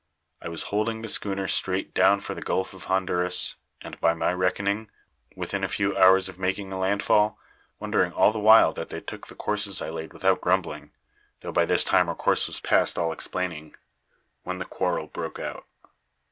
I was holding the schooner straight down for the Gulf of Honduras, and, by my reckoning, within a few hours of making a landfall, wondering all the while that they took the courses I laid without grumbling though by this time our course was past all explaining when the quarrel broke out.